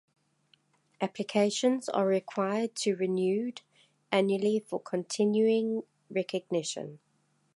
Applications are required to renewed annually for continuing recognition.